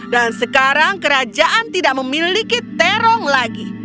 dan sekarang kerajaan tidak memiliki terong lagi